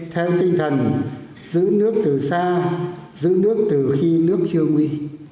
theo tinh thần giữ nước từ xa giữ nước từ khi nước chưa nguy